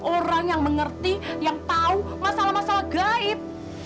orang yang mengerti yang tahu masalah masalah gaib